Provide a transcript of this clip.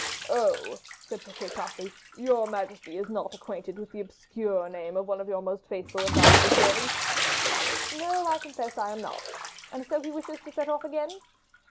"Oh!" said Fouquet, promptly, "your majesty is not acquainted with the obscure name of one of your most faithful and valuable servants?" "No, I confess I am not. And so he wishes to set off again?"